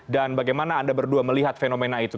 dan bagaimana anda berdua melihat fenomena itu